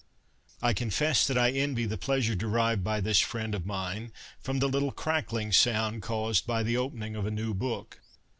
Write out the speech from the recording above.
I confess that I envy the pleasure derived by this friend of mine from the little ' crackling ' sound caused by the opening of a new book.